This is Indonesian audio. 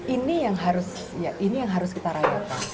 ini yang harus kita rayakan